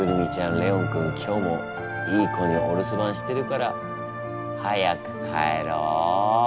レオン君今日もいい子にお留守番してるから早く帰ろう。